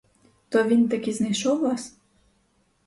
То він таки знайшов вас?